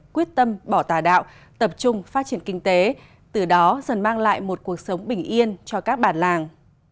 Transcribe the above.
quyết tâm bỏ tà đạo tập trung phát triển kinh tế từ đó dần mang lại một cuộc sống bình yên cho các bản làng